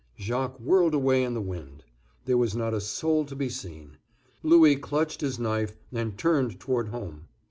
Jacques whirled away in the wind. There was not a soul to be seen. Louis clutched his knife, and turned toward home.